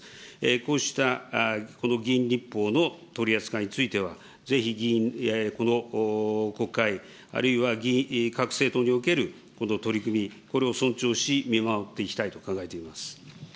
こうしたこの議員立法の取り扱いについては、ぜひこの国会、あるいは各政党におけるこの取り組み、これを尊重し、見守っていきたいと考えています。